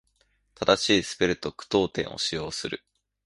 正しいスペルと句読点を使用する。